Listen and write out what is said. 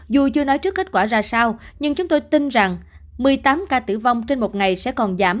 dù chưa nói trước kết quả ra sao nhưng chúng tôi tin rằng một mươi tám ca tử vong trên một ngày sẽ còn giảm